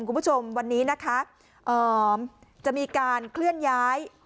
คุณผู้ชมวันนี้นะคะจะมีการเคลื่อนย้าย